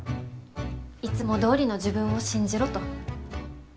いつもどおりの自分を信じろと。